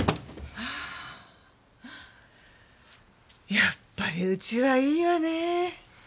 やっぱり家はいいわね。